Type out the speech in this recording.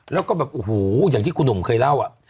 แล้วก็แบบโอ้โหอย่างที่คุณหนุ่มเคยเล่า